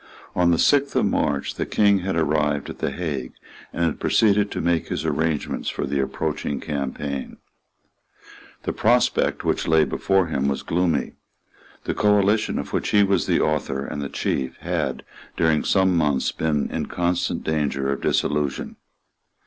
On the sixth of March the King had arrived at the Hague, and had proceeded to make his arrangements for the approaching campaign. The prospect which lay before him was gloomy. The coalition of which he was the author and the chief had, during some months, been in constant danger of dissolution.